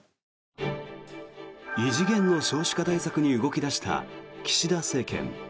異次元の少子化対策に動き出した岸田政権。